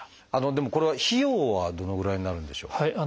でもこれは費用はどのぐらいになるんでしょう？